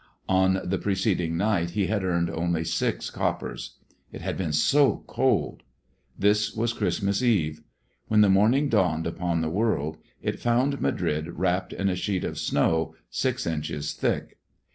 On the preceding night he had earned only six coppers. It had been so cold! This was Christmas Eve. When the morning dawned upon the world, it found Madrid wrapped in a sheet of snow six inches thick.